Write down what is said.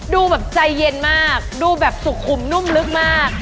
ดูแบบใจเย็นมากดูแบบสุขุมนุ่มลึกมาก